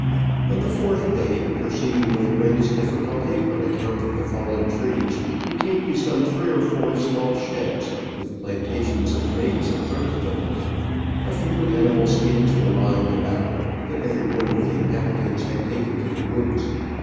On the fourth day, proceeding with the greatest difficulty on account of the fallen trees, we came to some three or four small sheds, with plantations of maize in front of them; a few animal skins were lying about, but every one of the inhabitants had taken to the woods.